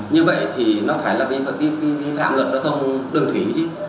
như vậy thì nó phải là vi phạm luật giao thông đường thủy chứ